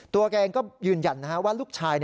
ตัวแกงก็ยืนยันว่าลูกชาย